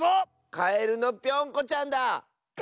カエルのぴょんこちゃん。